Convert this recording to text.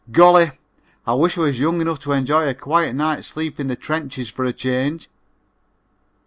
Golly, I wish I was young enough to enjoy a quiet night's sleep in the trenches for a change."